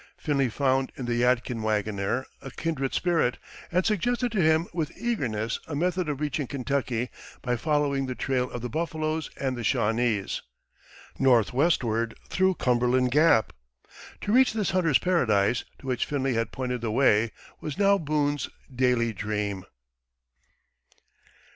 Finley found in the Yadkin wagoner a kindred spirit, and suggested to him with eagerness a method of reaching Kentucky by following the trail of the buffaloes and the Shawnese, northwestward through Cumberland Gap. To reach this hunter's paradise, to which Finley had pointed the way, was now Boone's daily dream.